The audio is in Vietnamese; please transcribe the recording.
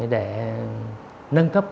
để nâng cấp